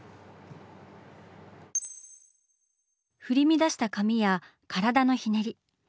振り乱した髪や体のひねり。